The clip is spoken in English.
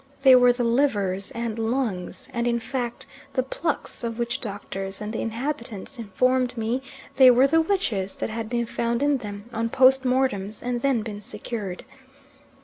They were the livers and lungs, and in fact the plucks, of witch doctors, and the inhabitants informed me they were the witches that had been found in them on post mortems and then been secured.